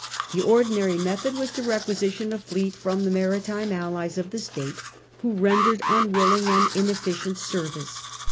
The ordinary method was to requisition a fleet from the maritime allies of the state, who rendered unwilling and ineflScient service.